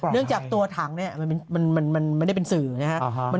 เนื่องจากตัวถังคน์เขาไม่ได้เป็นสื่อก่อน